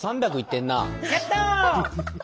やった！